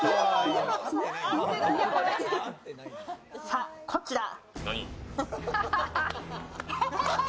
さあ、こちら。